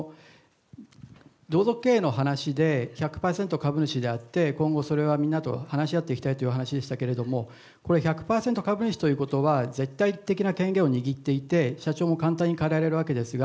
同族経営の話で、１００％株主であって、今後、それはみんなと話し合っていきたいというお話しでしたけれども、これ、１００％株主ということは、絶対的な権限を握っていて、社長も簡単にかえられるわけですが。